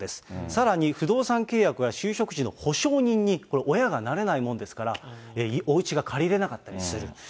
さらに不動産契約や就職時の保証人に、親がなれないもんですから、お家が借りれなかったりする。